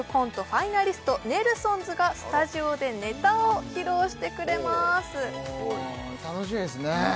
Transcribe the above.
ファイナリストネルソンズがスタジオでネタを披露してくれます楽しみですね